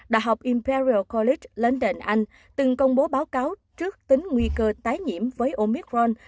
đại học imperial college london anh từng công bố báo cáo trước tính nguy cơ tái nhiễm với omicron